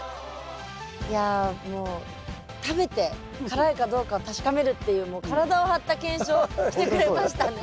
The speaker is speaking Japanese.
いやもう食べて辛いかどうかを確かめるっていうもう体を張った検証をしてくれましたね。